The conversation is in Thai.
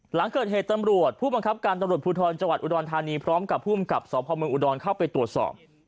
หลังเกิดเหตุตำรวจผู้บังคับการตำรวจภูทรจังหวัดอุดรธานีพร้อมกับภูมิกับสพเมืองอุดรเข้าไปตรวจสอบ